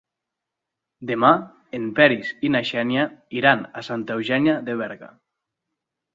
Demà en Peris i na Xènia iran a Santa Eugènia de Berga.